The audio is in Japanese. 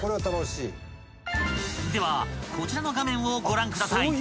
［ではこちらの画面をご覧ください］